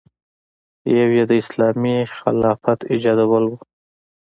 یو یې د اسلامي خلافت ایجادول و.